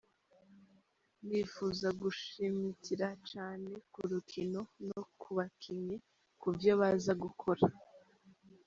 Nipfuza gushimikira cane ku rukino no ku bakinyi kuvyo baza gukora.